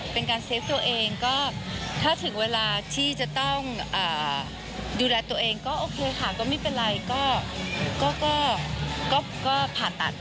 เป็นการเซฟตัวเองก็ถ้าถึงเวลาที่จะต้องดูแลตัวเองก็โอเคค่ะก็ไม่เป็นไรก็ผ่าตัด